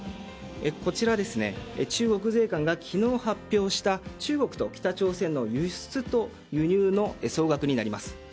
こちら、中国税関が昨日発表した中国と北朝鮮の輸出と輸入の総額になります。